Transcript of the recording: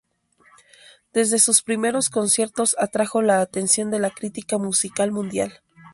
Desde sus primeros conciertos atrajo la atención de la crítica musical mundial.